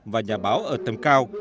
và nhà báo ở tầm cao